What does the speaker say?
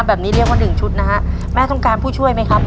แบบนี้เรียกว่าหนึ่งชุดนะฮะแม่ต้องการผู้ช่วยไหมครับ